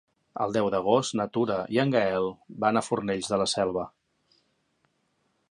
El deu d'agost na Tura i en Gaël van a Fornells de la Selva.